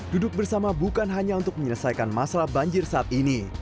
duduk bersama bukan hanya untuk menyelesaikan masalah banjir saat ini